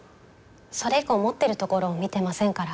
それ以降持ってるところを見てませんから。